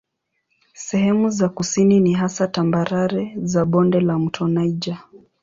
Sehemu za kusini ni hasa tambarare za bonde la mto Niger.